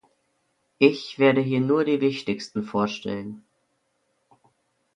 Ich werde hier nur die wichtigsten vorstellen.